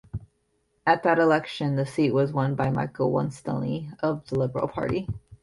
At that election, the seat was won by Michael Winstanley of the Liberal Party.